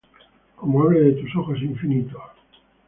como hable de tus ojos infinito